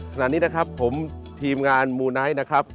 ขณะนี้นะครับผมทีมงานมูไนท์นะครับ